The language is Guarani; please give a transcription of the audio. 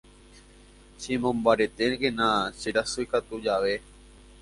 Chemombaretékena cherasykatu jave.